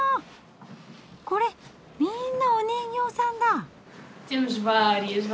これみんなお人形さんだ。